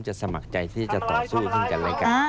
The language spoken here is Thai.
จะสมัครใจที่จะต่อสู้ขึ้นกันเลย